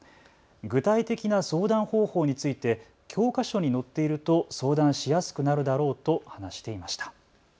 具体的な相談方法について教科書に載っていると相談しやすくなるだろうと話していました。